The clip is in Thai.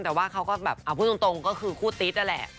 แต่ว่าเขาก็แบบเอาพูดตรงก็คือคู่ติ๊ดนั่นแหละ